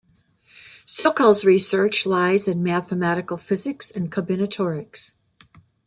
Sokal's research lies in mathematical physics and combinatorics.